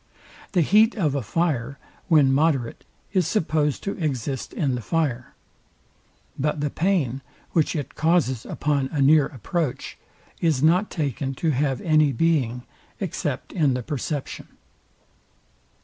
The heat of a fire, when moderate, is supposed to exist in the fire; but the pain, which it causes upon a near approach, is not taken to have any being, except in the perception.